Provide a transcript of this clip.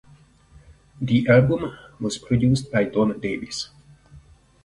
The album was produced by Don Davis.